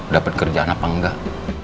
dapat kerjaan apa enggak